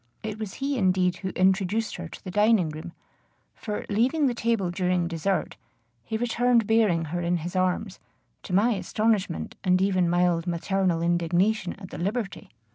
It was he indeed who introduced her to the dining room; for, leaving the table during dessert, he returned bearing her in his arms, to my astonishment, and even mild maternal indignation at the liberty.